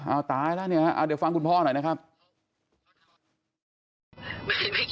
เอาตายแล้วเนี่ยฮะเดี๋ยวฟังคุณพ่อหน่อยนะครับ